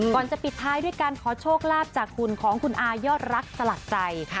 ก่อนจะปิดท้ายด้วยการขอโชคลาภจากคุณของคุณอายอดรักสลักใจ